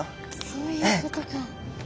そういうことか。